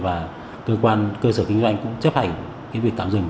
và cơ quan cơ sở kinh doanh cũng chấp hành cái việc tạm dừng